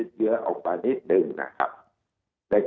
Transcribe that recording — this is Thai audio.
แต่ว่าอาจมาเลขเตียงมีค่าเงินบาท